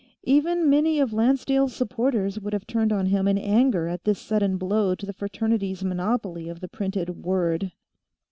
Even many of Lancedale's supporters would have turned on him in anger at this sudden blow to the Fraternities' monopoly of the printed Word.